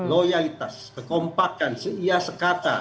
loyalitas kekompakan seia sekata